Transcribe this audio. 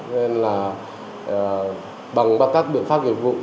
nên là bằng các biện pháp hiệp vụ